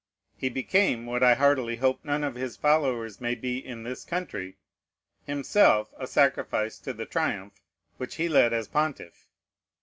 He became (what I heartily hope none of his followers may be in this country) himself a sacrifice to the triumph which he led as pontiff.